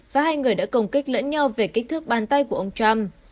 và hai người đã công kích lẫn nhau về kích thước bàn tay của ông trump